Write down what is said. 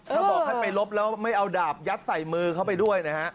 ถ้าบอกท่านไปลบแล้วไม่เอาดาบยัดใส่มือเข้าไปด้วยนะฮะ